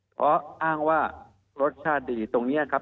เพราะอ้างว่ารสชาติดีตรงนี้ครับ